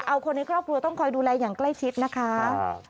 เอาคนในครอบครัวต้องคอยดูแลอย่างใกล้ชิดนะคะ